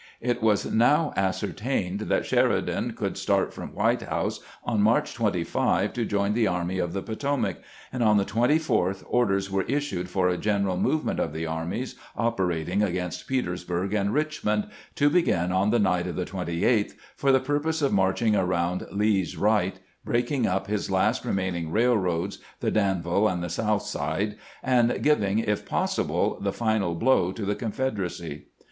It was now ascertained that Sheridan could start from White House on March 25 to join the Army of the Potomac, and on the 24th orders were issued for a general movement of the armies operating against Petersburg and Richmond, to begin on the night of the 28th, for the purpose of marching around Lee's right, breaking up his last remaining railroads, the Danville and the South Side, and giving, if possible, the final blow to the Confederacy.